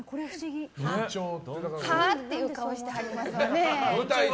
はー？って顔してはりますね。